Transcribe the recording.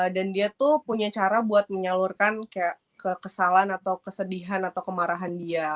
dan dia tuh punya cara buat menyalurkan kayak kekesalan atau kesedihan atau kemarahan dia